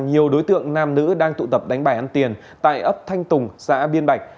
nhiều đối tượng nam nữ đang tụ tập đánh bài ăn tiền tại ấp thanh tùng xã biên bạch